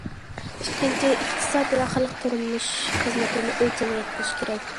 ئىككىنچى، ئىقتىساد ۋە خەلق تۇرمۇشى خىزمىتىنى ئۆلچەمگە يەتكۈزۈش كېرەك.